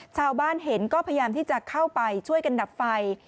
ชาวบ้านเห็นก็พยายามที่จะเข้าไปช่วยกันดับไฟ